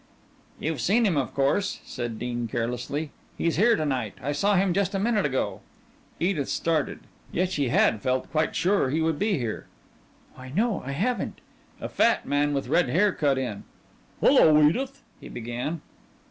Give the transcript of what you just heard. "You've seen him, of course," said Dean carelessly. "He's here to night. I saw him just a minute ago." Edith started. Yet she had felt quite sure he would be here. "Why, no, I haven't " A fat man with red hair cut in. "Hello, Edith," he began.